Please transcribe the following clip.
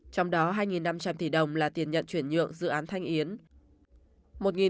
trong đó hai năm trăm linh tỷ đồng là tiền nhận chuyển nhượng dự án thanh yến